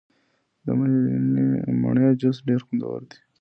د مڼې جوس ډیر خوندور دی.